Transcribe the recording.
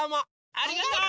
ありがとう！